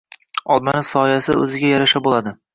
Olmani soyasi o‘ziga yarasha bo‘ladi.